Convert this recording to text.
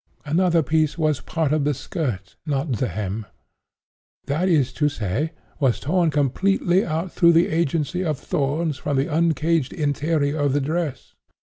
Another piece was 'part of the skirt, not the hem,'—that is to say, was torn completely out through the agency of thorns, from the uncaged interior of the dress!